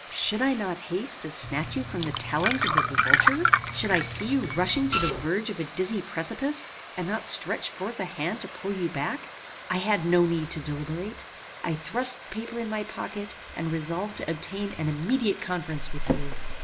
Should I not haste to snatch you from the talons of this vulture? Should I see you rushing to the verge of a dizzy precipice, and not stretch forth a hand to pull you back? I had no need to deliberate. I thrust the paper in my pocket, and resolved to obtain an immediate conference with you.